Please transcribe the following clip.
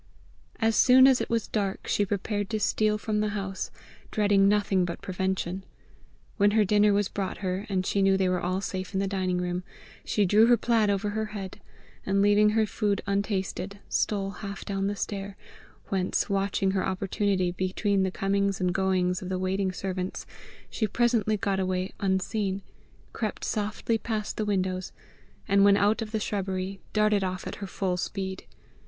As soon as it was dark she prepared to steal from the house, dreading nothing but prevention. When her dinner was brought her, and she knew they were all safe in the dining room, she drew her plaid over her head, and leaving her food untasted, stole half down the stair, whence watching her opportunity between the comings and goings of the waiting servants, she presently got away unseen, crept softly past the windows, and when out of the shrubbery, darted off at her full speed.